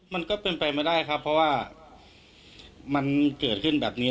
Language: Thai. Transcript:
มันก็เป็นไปไม่ได้ครับเพราะว่ามันเกิดขึ้นแบบนี้